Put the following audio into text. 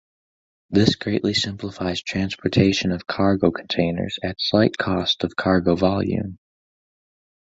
This greatly simplifies transportation of cargo containers at slight cost of cargo volume.